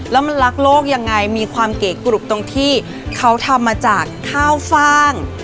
แล้วมันรักโลกยังไงมีความเก๋กรุบตรงที่เขาทำมาจากข้าวฟ่าง